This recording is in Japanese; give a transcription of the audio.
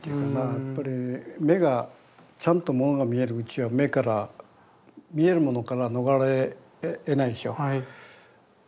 やっぱり目がちゃんとものが見えるうちは目から見えるものから逃れえないでしょう。